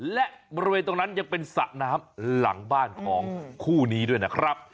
และบริเวณตรงนั้นยังเป็นสระน้ำหลังบ้านของคู่นี้ด้วยนะครับ